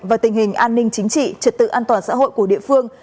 và tình hình an ninh chính trị trật tự an toàn xã hội của địa phương